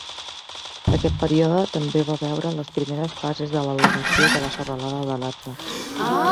Aquest període també va veure les primeres fases de l'elevació de la serralada de l'Atlas.